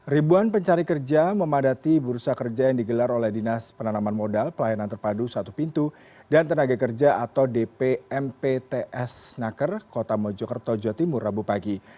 ribuan pencari kerja memadati bursa kerja yang digelar oleh dinas penanaman modal pelayanan terpadu satu pintu dan tenaga kerja atau dpmpts naker kota mojokerto jawa timur rabu pagi